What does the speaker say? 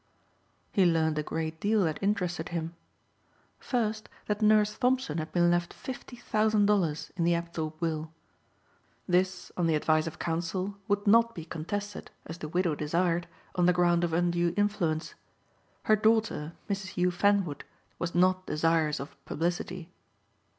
He learned a great deal that interested him. First that Nurse Thompson had been left fifty thousand dollars in the Apthorpe will. This, on the advice of counsel, would not be contested, as the widow desired, on the ground of undue influence. Her daughter Mrs. Hugh Fanwood was not desirous of publicity.